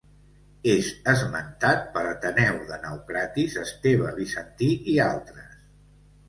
És esmentat per Ateneu de Naucratis, Esteve Bizantí i altres.